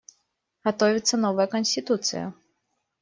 Готовится новая Конституция.